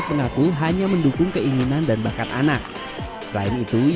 karena bisa melindungi anak kita dan bisa berdara diri